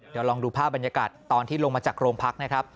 เดี๋ยวลองดูภาพบรรยากาศตอนที่ลงมาจากโรงพักนะครับ